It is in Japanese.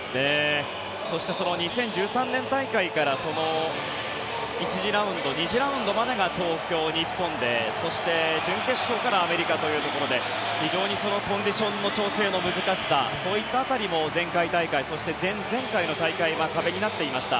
そして２０１３年大会から１次ラウンド２次ラウンドまでが東京、日本でそして準決勝からアメリカというところで非常にコンディションの調整の難しさそういった辺りも前回大会そして前々回の大会は壁になっていました。